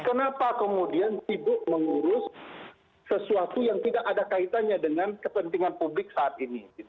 kenapa kemudian sibuk mengurus sesuatu yang tidak ada kaitannya dengan kepentingan publik saat ini